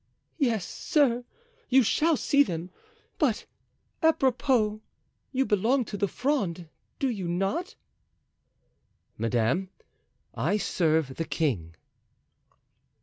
"Yes, sir, you shall see them. But, apropos, you belong to the Fronde, do you not?" "Madame, I serve the king."